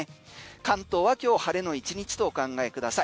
関東は今日晴れの１日とお考えください。